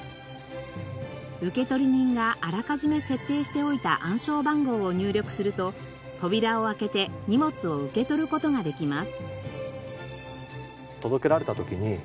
受取人があらかじめ設定しておいた暗証番号を入力すると扉を開けて荷物を受け取る事ができます。